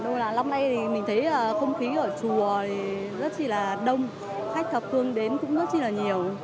năm nay thì mình thấy là không khí ở chùa rất là đông khách thập thương đến cũng rất là nhiều